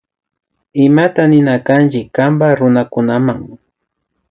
Imata nina kanchi kamak runakunama